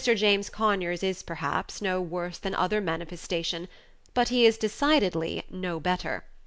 James Conyers is, perhaps, no worse than other men of his station, but he is decidedly no better.